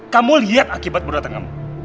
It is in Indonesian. kamu liat akibat berdatang kamu